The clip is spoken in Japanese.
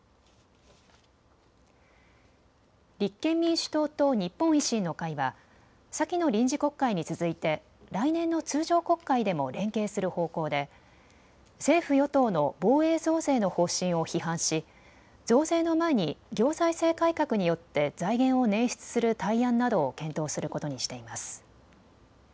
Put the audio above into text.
立憲民主党と日本維新の会は先の臨時国会に続いて来年の通常国会でも連携する方向で政府与党の防衛増税の方針を批判し増税の前に行財政改革によって財源を捻出する対案などを検討することにしています。